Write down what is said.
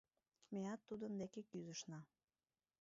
Меат тудын деке кӱзышна.